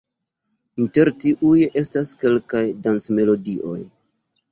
Inter tiuj estas kelkaj dancmelodioj.